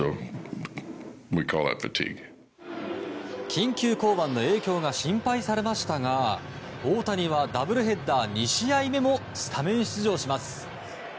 緊急降板の影響が心配されましたが大谷はダブルヘッダー２試合目もスタメン出場します。